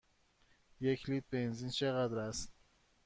یک لیتر بنزین چقدر است؟